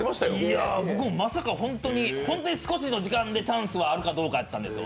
いや、僕もまさかホントに本当に少しの時間でチャンスがあるかどうかだったんですよ。